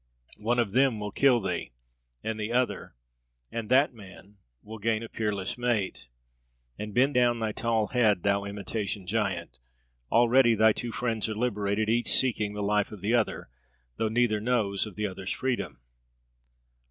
One of them will kill thee and the other, and that man will gain a peerless mate. And, bend down thy tall head, thou imitation giant already thy two friends are liberated, each seeking the life of the other, though neither knows of the other's freedom!"